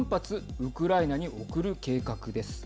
ウクライナに送る計画です。